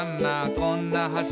こんな橋」